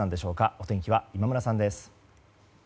お天気は今村さんです。